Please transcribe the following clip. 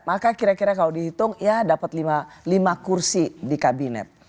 maka kira kira kalau dihitung ya dapat lima kursi di kabinet